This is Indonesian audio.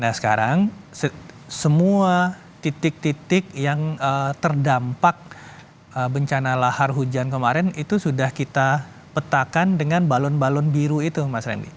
nah sekarang semua titik titik yang terdampak bencana lahar hujan kemarin itu sudah kita petakan dengan balon balon biru itu mas ramli